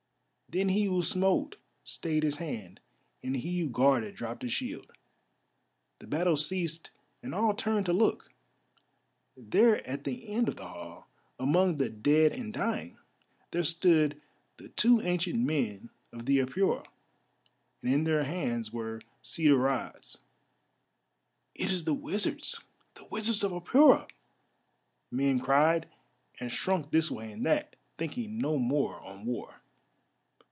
Then he who smote stayed his hand and he who guarded dropped his shield. The battle ceased and all turned to look. There at the end of the hall, among the dead and dying, there stood the two ancient men of the Apura, and in their hands were cedar rods. "It is the Wizards—the Wizards of the Apura," men cried, and shrunk this way and that, thinking no more on war.